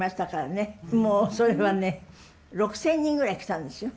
もうそれはね６，０００人ぐらい来たんですよ。